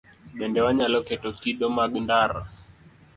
Bende wanyalo keto kido mag ndara